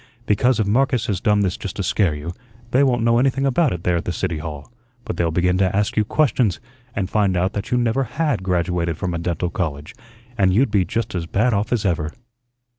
"Because, if Marcus has done this just to scare you, they won't know anything about it there at the City Hall; but they'll begin to ask you questions, and find out that you never HAD graduated from a dental college, and you'd be just as bad off as ever."